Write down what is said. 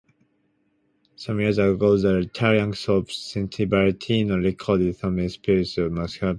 Some years ago the Italian soap "Cento Vetrine" recorded some episodes in Macugnaga.